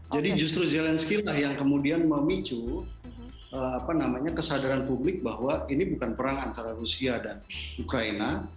jadi justru zelensky lah yang kemudian memicu apa namanya kesadaran publik bahwa ini bukan perang antara rusia dan ukraina